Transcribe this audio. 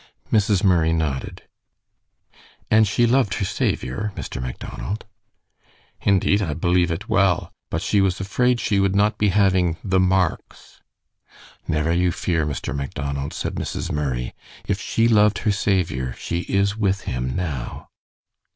Mrs. Murray nodded. "And she loved her Saviour, Mr. Macdonald." "Indeed, I believe it well, but she was afraid she would not be having 'the marks.'" "Never you fear, Mr. Macdonald," said Mrs. Murray. "If she loved her Saviour she is with him now."